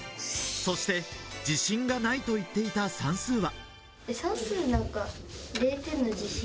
そして自信がないと言っていた算数は。